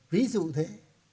ví dụ thế